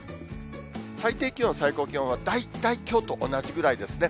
最低気温、最高気温は大体きょうと同じぐらいですね。